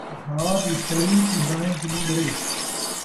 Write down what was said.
بھاء دی سڑی ٹنڈاݨے کنوں ݙرے